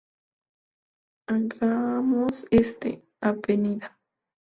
Angamos Este, Av.